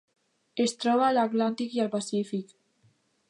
Es troba a l'Atlàntic i al Pacífic.